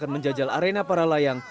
dan menjajal arena para layang